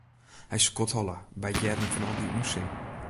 Hy skodholle by it hearren fan al dy ûnsin.